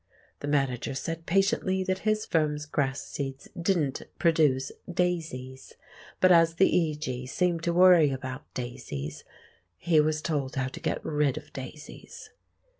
The manager said patiently that his firm's grass seeds didn't produce daisies; but as the E. G. seemed to worry about daisies, he was told how to get rid of daisies.